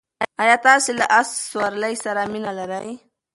ایا تاسې له اس سورلۍ سره مینه لرئ؟